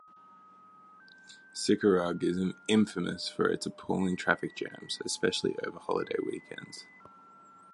Cicurug is infamous for its appalling traffic jams, especially over holiday weekends.